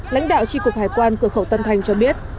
lãnh đạo tri cục hải quan cửa khẩu tân thanh cho biết